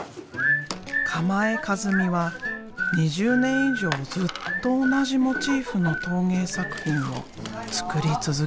鎌江一美は２０年以上ずっと同じモチーフの陶芸作品を作り続けている。